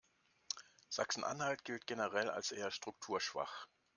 Sachsen-Anhalt gilt generell als eher strukturschwach.